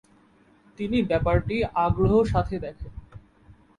তিনি ব্যাপারটি আগ্রহ সাথে দেখেন।